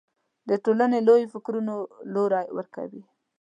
د ټولنې لویو فکرونو لوری ورکوي